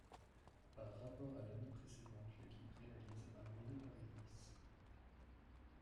Par rapport à l'année précédente l'équipe réalise un mauvais Paris-Nice.